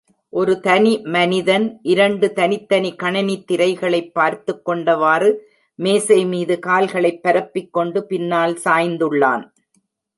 ஒரு மனிதன் இரண்டு தனித்தனி கணினித் திரைகளைப் பார்த்துக்கொண்டவாறு மேசை மீது கால்களைப் பரப்பிக் கொண்டு பின்னால் சாய்ந்துள்ளான்.